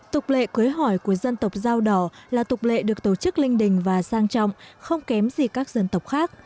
tục lệ cưới hỏi của dân tộc dao đỏ là tục lệ được tổ chức linh đình và sang trọng không kém gì các dân tộc khác